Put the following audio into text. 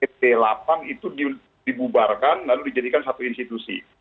ejman lipi b delapan itu dibubarkan lalu dijadikan satu institusi